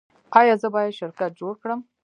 ایا زه باید شرکت جوړ کړم؟